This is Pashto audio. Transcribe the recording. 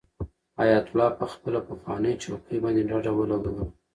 حیات الله په خپله پخوانۍ چوکۍ باندې ډډه ولګوله.